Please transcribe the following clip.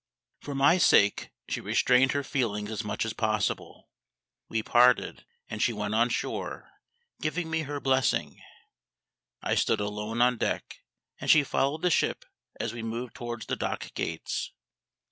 For my sake she restrained her feelings as much as possible. We parted; and she went on shore, giving me her blessing; I stood alone on deck, and she followed the ship as we moved towards the dock gates.